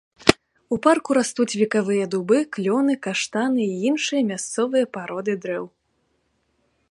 У парку растуць векавыя дубы, клёны, каштаны і іншыя мясцовыя пароды дрэў.